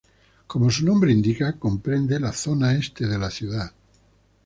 Como su nombre indica, comprende la zona este de la ciudad.